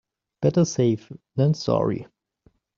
Better safe than sorry.